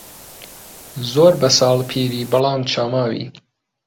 زۆر بە ساڵ پیری بەڵام چا ماوی